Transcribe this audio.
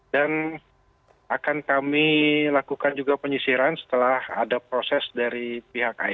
dan akan kami lakukan juga penyisiran setelah ada proses dari pihak asdp